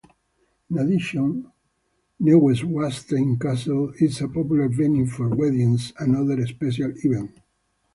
In addition, Neuschwanstein Castle is a popular venue for weddings and other special events.